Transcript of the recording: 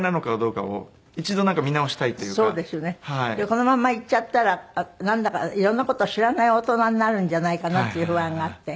このまんまいっちゃったらなんだか色んな事を知らない大人になるんじゃないかなという不安があって。